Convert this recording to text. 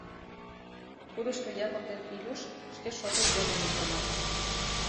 Кудышто Япык ден Илюш шке шотышт дене мутланат.